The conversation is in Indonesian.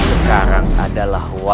menggalakkan siapakan balik party yunda